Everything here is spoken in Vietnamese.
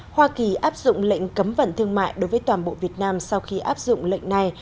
hoa kỳ áp dụng lệnh cấm vận thương mại đối với toàn bộ việt nam sau khi áp dụng lệnh này